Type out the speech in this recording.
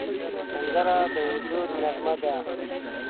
سندره د وجد نغمه ده